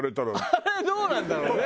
あれどうなんだろうね。